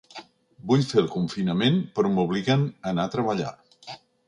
Vull fer el confinament però m’obliguen a anar treballar.